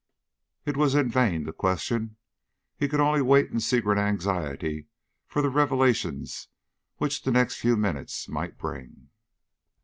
It was in vain to question; he could only wait in secret anxiety for the revelations which the next few minutes might bring.